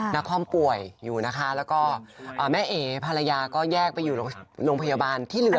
นครป่วยอยู่นะคะแล้วก็แม่เอ๋ภรรยาก็แยกไปอยู่โรงพยาบาลที่เหลือ